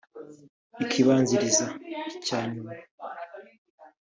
kibanziriza icya nyuma